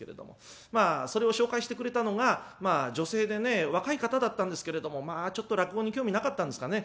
まあそれを紹介してくれたのが女性でね若い方だったんですけれどもまあちょっと落語に興味なかったんですかね